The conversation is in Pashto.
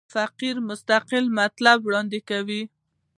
فقره یو مستقل مطلب وړاندي کوي.